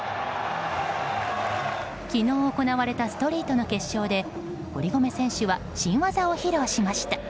昨日、行われたストリートの決勝で堀米選手は新技を披露しました。